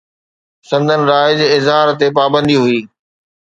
سندن راءِ جي اظهار تي پابندي هئي